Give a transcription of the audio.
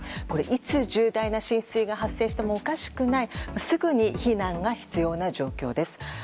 いつ重大な浸水が発生してもおかしくないすぐに避難が必要な状況です。